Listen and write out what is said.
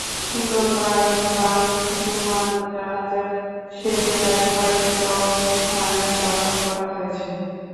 শুক্রবার বাদ জুমা জানাজা শেষে তাঁকে পারিবারিক কবরস্থানে দাফন করা হয়েছে।